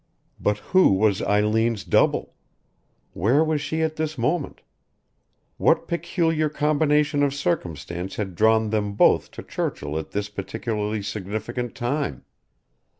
But who was Eileen's double? Where was she at this moment? What peculiar combination of circumstance had drawn them both to Churchill at this particularly significant time?